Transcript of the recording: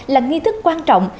là nghi thức quan trọng